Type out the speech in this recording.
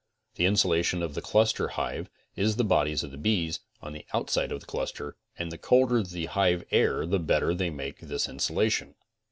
The insulation of the cluster hive is the bodies of the bees on the outsidé of the cluster, and the colder the hive air the better they make this insulation.